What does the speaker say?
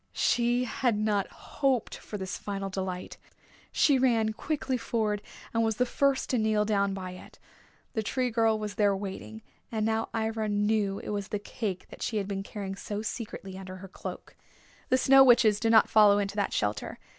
She had not hoped for this final delight. She ran quickly forward and was the first to kneel down by it. The Tree Girl was there waiting, and now Ivra knew it was the cake that she had been carrying so secretly under her cloak. The Snow Witches did not follow into that shelter.